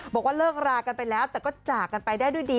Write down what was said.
บอกว่าเลิกรากันไปแล้วแต่ก็จากกันไปได้ด้วยดี